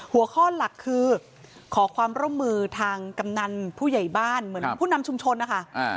หัวข้อหลักคือขอความร่วมมือทางกำนันผู้ใหญ่บ้านเหมือนผู้นำชุมชนนะคะ